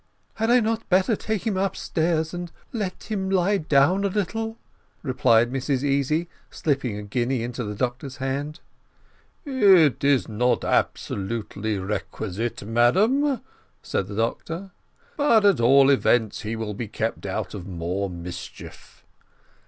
"Had I not better take him upstairs, and let him lie down a little?" replied Mrs Easy, slipping a guinea into the doctor's hand. "It is not absolutely requisite, madam," said the doctor; "but at all events he will be kept out of more mischief."